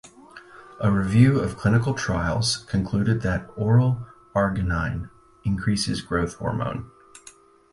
A review of clinical trials concluded that oral arginine increases growth hormone.